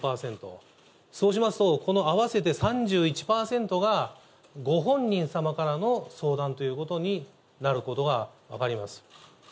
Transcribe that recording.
そうしますと、この合わせて３１％がご本人様からの相談ということになることが分かります。